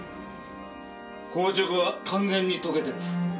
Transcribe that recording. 硬直は完全に解けてる。